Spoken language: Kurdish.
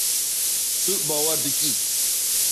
Tu bawer dikî.